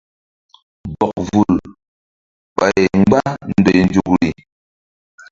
Bɔk vul ɓay mgba ndoy nzukri.